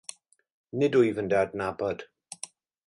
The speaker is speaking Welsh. Nid wyf yn dy adnabod.